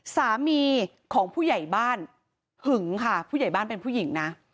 สามีของผู้ใหญ่บ้านหึงค่ะผู้ใหญ่บ้านเป็นผู้หญิงนะ